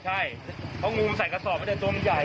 ใช่เพราะงูใส่กระสอบไว้ในตรงใหญ่